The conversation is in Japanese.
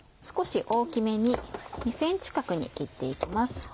少し大きめに２ｃｍ角に切って行きます。